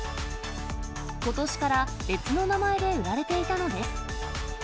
ことしから別の名前で売られていたのです。